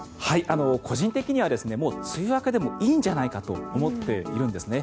個人的にはもう梅雨明けでもいいんじゃないかと思っているんですね。